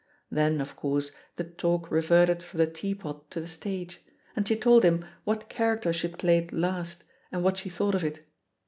Then, of course, the talk reverted from the teapot to the stage, and ^e told him what character she had played last and what she thought of it.